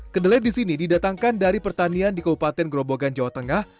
kedelai di sini didatangkan dari pertanian di kabupaten grobogan jawa tengah